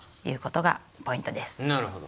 なるほど。